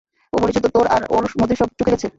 ও বলেছিল তোর আর ওর মধ্যে সব চুকে গেছে।